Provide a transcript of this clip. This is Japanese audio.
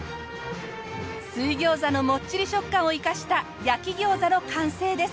水餃子のもっちり食感を生かした焼き餃子の完成です。